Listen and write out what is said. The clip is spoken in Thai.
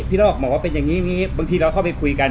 นอกบอกว่าเป็นอย่างนี้บางทีเราเข้าไปคุยกัน